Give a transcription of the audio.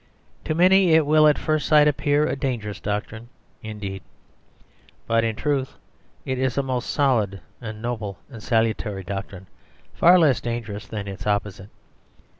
To many it will at first sight appear a dangerous doctrine indeed. But, in truth, it is a most solid and noble and salutary doctrine, far less dangerous than its opposite.